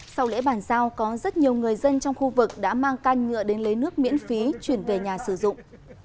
sau lễ bàn giao có rất nhiều người dân trong khu vực đã mang canh ngựa đến lấy nước miễn phí chuyển về nhà sử dụng